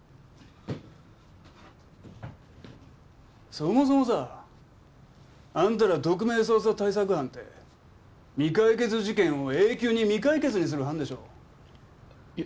そもそもさあんたら特命捜査対策班って未解決事件を永久に未解決にする班でしょ？よ